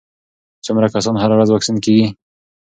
څومره کسان هره ورځ واکسین کېږي؟